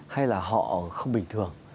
hay là họ không bình thường